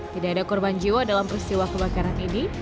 tidak ada korban jiwa dalam peristiwa kebakaran ini